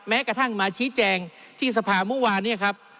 แม้กระทั่งมาชี้แจงที่สภาเมื่อวานเนี่ยครับ